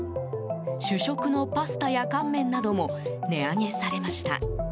主食のパスタや乾麺なども値上げされました。